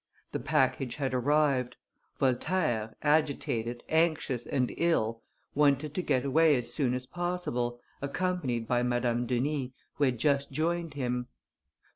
The package had arrived; Voltaire, agitated, anxious, and ill, wanted to get away as soon as possible, accompanied by Madame Denis, who had just joined him.